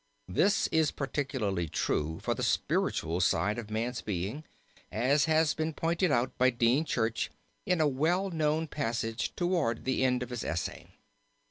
This is particularly true for the spiritual side of man's being as has been pointed out by Dean Church in a well known passage toward the end of his essay.